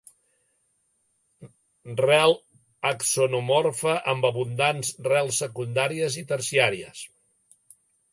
Rel axonomorfa amb abundants rels secundàries i terciàries.